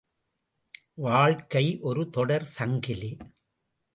வாழ்க்கை ஒரு தொடர் சங்கிலி.